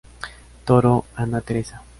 Toro, Ana Teresa.